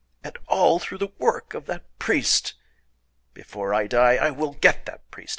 And all through the work of that priest! Before I die I will get at that priest!